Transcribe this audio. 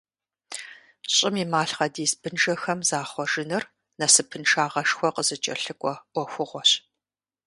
ЩӀым и малъхъэдис бынжэхэм захъуэжыныр насыпыншагъэшхуэ къызыкӀэлъыкӀуэ Ӏуэхугъуэщ.